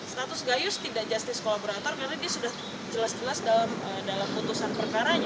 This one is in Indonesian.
status gayus tidak justice kolaborator karena dia sudah jelas jelas dalam putusan perkaranya